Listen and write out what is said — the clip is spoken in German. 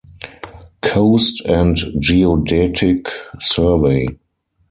Coast and Geodetic Survey.